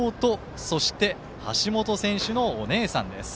そして、橋本選手のお姉さんです。